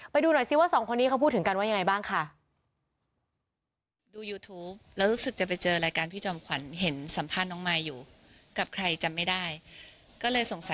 ไปดูหน่อยซิว่าสองคนนี้เขาพูดถึงกันว่ายังไงบ้างค่ะ